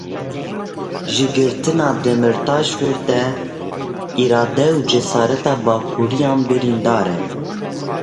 Ji girtina Demirtaş vir da îrade û cesareta Bakurîyan birîndar e.